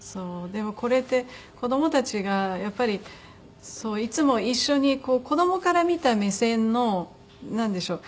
でもこれって子どもたちがやっぱりいつも一緒に子どもから見た目線のなんでしょう。